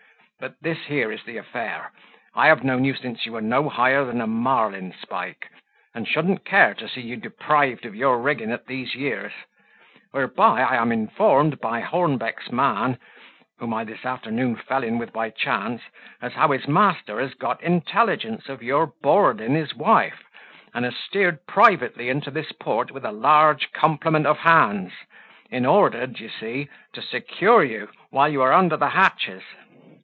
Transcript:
But this here is the affair: I have known you since you were no higher than a marlinspike, and shouldn't care to see you deprived of your rigging at these years; whereby I am informed by Hornbeck's man, whom I this afternoon fell in with by chance, as how his master has got intelligence of your boarding his wife, and has steered privately into this port with a large complement of hands, in order, d'ye see, to secure you while you are under the hatches.